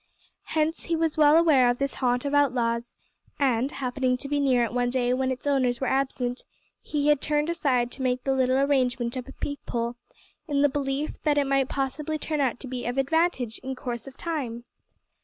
Hence he was well aware of this haunt of outlaws, and, happening to be near it one day when its owners were absent, he had turned aside to make the little arrangement of a peep hole, in the belief that it might possibly turn out to be of advantage in course of time!